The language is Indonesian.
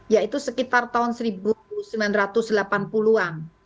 yaitu sekitar tahun seribu sembilan ratus delapan puluh an